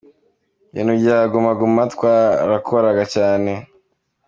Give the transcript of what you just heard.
Ibintu bya Guma Guma twarakoraga cyane.